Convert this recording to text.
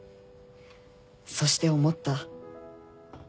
そして思った。